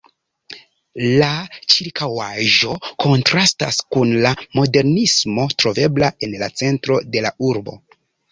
La ĉirkaŭaĵo kontrastas kun la modernismo trovebla en la centro de la urbo.